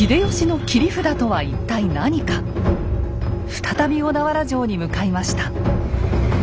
再び小田原城に向かいました。